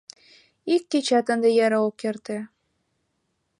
Ик кечат ынде яра ок эрте.